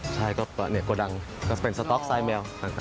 ใช่ก็เนี่ยกระดังก็เป็นสต๊อกไซค์แมว